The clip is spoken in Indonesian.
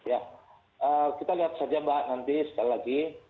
ya kita lihat saja mbak nanti sekali lagi